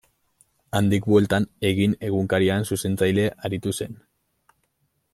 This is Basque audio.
Handik bueltan, Egin egunkarian zuzentzaile aritu zen.